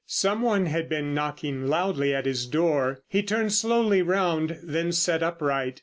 Some one had been knocking loudly at his door. He turned slowly round, then sat upright.